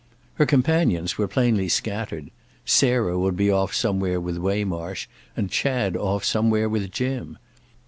Her companions were plainly scattered; Sarah would be off somewhere with Waymarsh and Chad off somewhere with Jim.